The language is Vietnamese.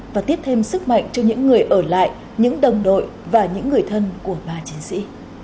và tiếp thêm sức mạnh cho những người ở lại những đồng đội và những người thân của ba chiến sĩ